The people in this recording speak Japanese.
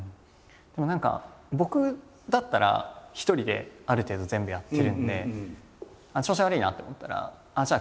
何か僕だったら一人である程度全部やってるんで調子悪いなって思ったらじゃあ